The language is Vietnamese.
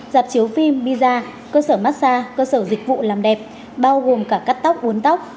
dạp chiếu phim visa cơ sở massage cơ sở dịch vụ làm đẹp bao gồm cả cắt tóc uốn tóc